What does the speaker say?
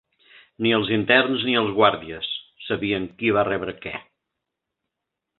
Ni els interns ni els guàrdies sabien qui va rebre què.